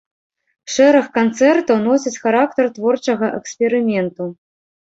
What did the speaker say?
Шэраг канцэртаў носяць характар творчага эксперыменту.